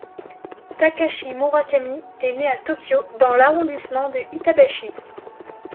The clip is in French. Takashi Murakami est né à Tokyo dans l'arrondissement de Itabashi.